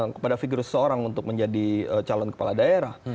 kepada figur seseorang untuk menjadi calon kepala daerah